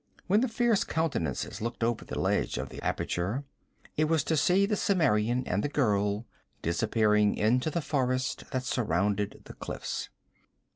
When the fierce countenances looked over the ledge of the aperture, it was to see the Cimmerian and the girl disappearing into the forest that surrounded the cliffs.